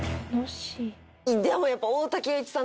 でもやっぱ。